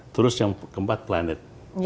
terus yang keempat planet